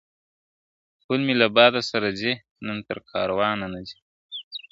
پل مي له باده سره ځي نن تر کاروانه نه ځي ..